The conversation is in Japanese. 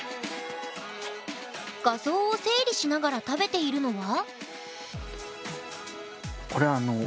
画像を整理しながら食べているのは？